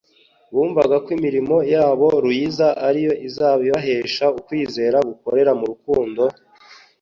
Bumvaga ko imirimo ya bo ruyiza ari yo izabibahesha. Ukwizera gukorera mu rukundo,